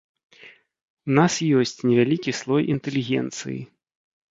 У нас ёсць невялікі слой інтэлігенцыі.